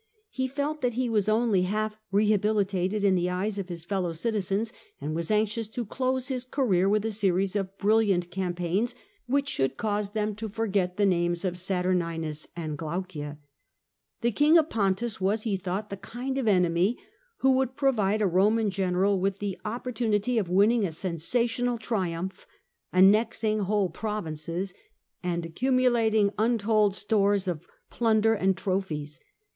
He felt that Iio was only half rehabilitated m the eyes of his tellow citizens, and was anxious to close his career with a series of brilliant campaigns which should cause them to forget the names of Satnrninus and Glaueia. The King of Pontus was, he thought, the kind of enemy who would provide a Roman general with the opportunity for winning a sensational triumph, annexing whole pro vinces, and accumulating untold stores of plunder and trophies.